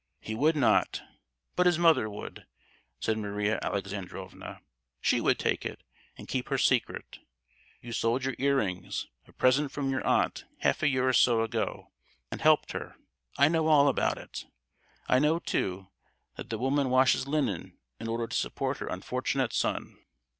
"He would not, but his mother would!" said Maria Alexandrovna. "She would take it, and keep her secret. You sold your ear rings, a present from your aunt, half a year or so ago, and helped her; I know all about it! I know, too, that the woman washes linen in order to support her unfortunate son!"